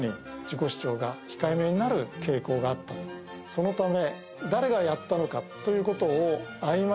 そのため。